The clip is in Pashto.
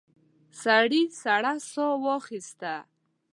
سړي سړه ساه واخيسته.